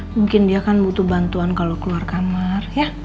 mungkin dia kan butuh bantuan kalau keluar kamar